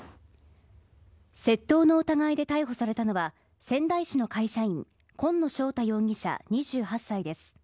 窃盗の疑いで逮捕されたのは仙台市の会社員今野翔太容疑者、２８歳です。